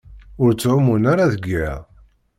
Ur ttɛumun ara deg iḍ.